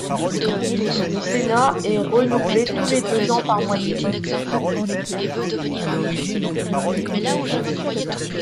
Le Sénat est renouvelé tous les deux ans par moitié.